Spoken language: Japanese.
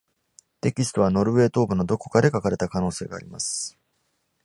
テキストは、ノルウェー東部のどこかで書かれた可能性があります。